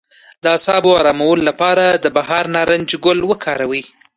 د اعصابو ارامولو لپاره د بهار نارنج ګل وکاروئ